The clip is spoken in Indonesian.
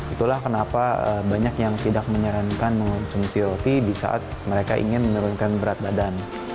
itulah kenapa banyak yang tidak menyarankan mengonsumsi roti di saat mereka ingin menurunkan berat badan